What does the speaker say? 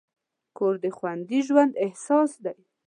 کور د خوندي ژوند اساس دی.